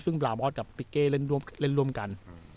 ซึ่งรามอทกับปิเกะเล่นร่วมกัน